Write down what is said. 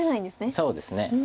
そうですね。